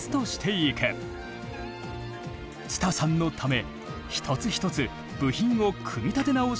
つたさんのため一つ一つ部品を組み立て直していく。